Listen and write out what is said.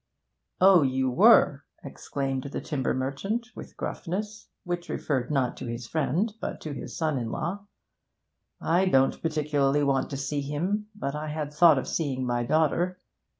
'Oh, you were!' exclaimed the timber merchant, with gruffness, which referred not to his friend but to his son in law. 'I don't particularly want to see him, but I had thought of seeing my daughter.